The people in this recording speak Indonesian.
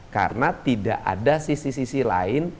karena tidak ada sisi sisi lain